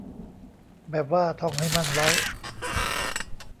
แบบว่าท่องให้มั่นไว้